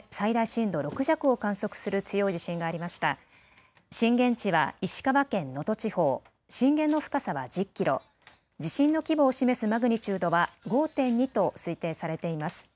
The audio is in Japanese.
震源地は石川県能登地方、震源の深さは１０キロ、地震の規模を示すマグニチュードは５．２と推定されています。